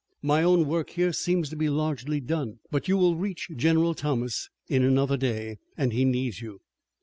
My own work here seems to be largely done, but you will reach General Thomas in another day, and he needs you.